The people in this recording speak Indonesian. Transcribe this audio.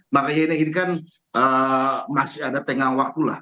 makanya ini kan masih ada tengah waktulah